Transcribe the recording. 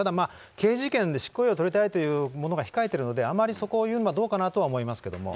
刑事事件で執行猶予を取りたいというものが控えているので、あまりそこを言うのはどうかなとは思いますけど。